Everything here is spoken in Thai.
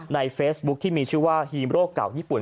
ในเฟซบุ๊คที่มีชื่อว่าฮีมโรคเก่าญี่ปุ่น